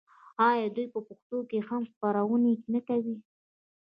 آیا دوی په پښتو هم خپرونې نه کوي؟